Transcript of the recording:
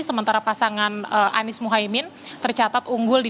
sementara pasangan anies muhaymin tercatat unggul di dua puluh sembilan